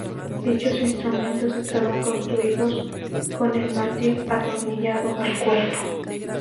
Dichos instrumentos estaban construidos con el mástil atornillado al cuerpo.